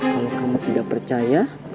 kalau kamu tidak percaya